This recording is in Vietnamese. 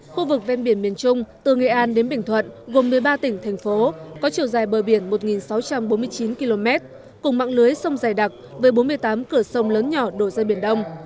khu vực ven biển miền trung từ nghệ an đến bình thuận gồm một mươi ba tỉnh thành phố có chiều dài bờ biển một sáu trăm bốn mươi chín km cùng mạng lưới sông dày đặc với bốn mươi tám cửa sông lớn nhỏ đổ ra biển đông